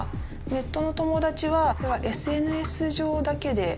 ネットの友達はＳＮＳ上だけで。